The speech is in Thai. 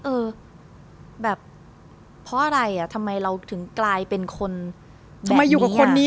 เออแบบเพราะอะไรอ่ะทำไมเราถึงกลายเป็นคนทำไมอยู่กับคนนี้